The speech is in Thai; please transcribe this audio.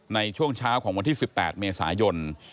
ในช่วงเช้าของวันที่๑๘เมษายน